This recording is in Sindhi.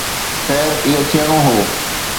خير، اهو ٿيڻو هو.